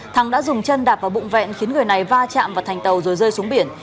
thắng đã dùng chân đạp vào bụng vẹn khiến người này va chạm vào thành tàu rồi rơi xuống biển